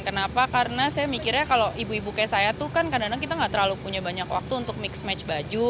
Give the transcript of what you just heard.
kenapa karena saya mikirnya kalau ibu ibu kayak saya tuh kan kadang kadang kita gak terlalu punya banyak waktu untuk mix match baju